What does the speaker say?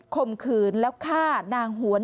มขืนแล้วฆ่านางหวน